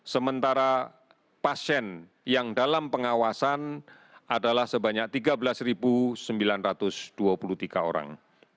sementara pasien yang dalam pengawasan adalah sebanyak tiga belas sembilan ratus dua puluh tiga orang